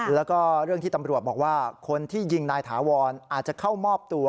แล้วก็เรื่องที่ตำรวจบอกว่าคนที่ยิงนายถาวรอาจจะเข้ามอบตัว